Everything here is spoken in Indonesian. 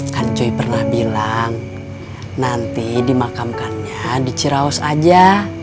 kan cuy pernah bilang nanti dimakamkannya diciraus aja